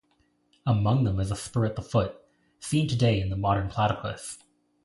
Among them is a spur at the foot, seen today in the modern platypus.